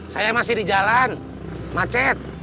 saya masih di jalan macet